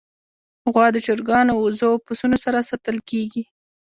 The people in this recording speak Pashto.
غوا د چرګانو، وزو، او پسونو سره ساتل کېږي.